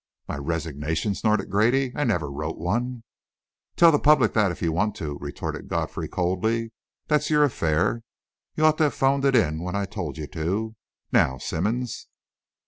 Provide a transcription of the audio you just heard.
"My resignation!" snorted Grady. "I never wrote one!" "Tell the public that, if you want to," retorted Godfrey coldly. "That's your affair. You ought to have 'phoned it in when I told you to. Now, Simmonds."